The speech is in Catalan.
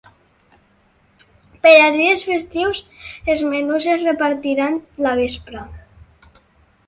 Per als dies festius, els menús es repartiran la vespra.